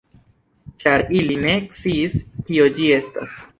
Ĉar ili ne sciis, kio ĝi estas.